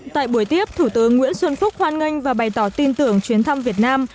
tại buổi tiếp thủ tướng nguyễn xuân phúc hoan nghênh và bày tỏ tin tưởng chuyến thăm việt nam